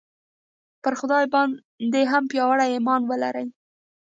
پر خدای باندې هم پیاوړی ایمان ولرئ